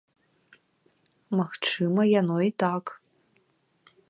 Магчыма, яно і так.